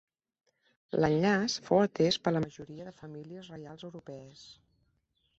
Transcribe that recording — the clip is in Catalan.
L'enllaç fou atès per la majoria de famílies reials europees.